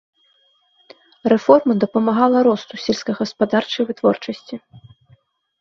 Рэформа дапамагла росту сельскагаспадарчай вытворчасці.